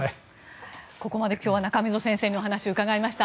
ここまで中溝先生にお話を伺いました。